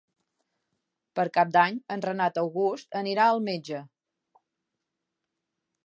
Per Cap d'Any en Renat August anirà al metge.